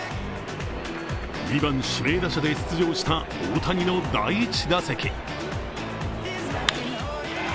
２番・指名打者で出場した大谷の第１打席。